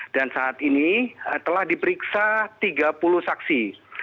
dan saat ini telah diperiksa tiga puluh saksi